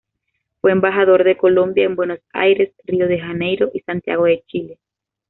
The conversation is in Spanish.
Fue embajador de Colombia en Buenos Aires, Río de Janeiro y Santiago de Chile.